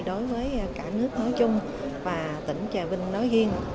đối với cả nước nói chung và tỉnh trà vinh nói riêng